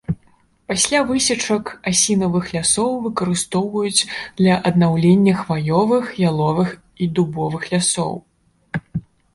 Пасля высечак асінавых лясоў выкарыстоўваюць для аднаўлення хваёвых, яловых і дубовых лясоў.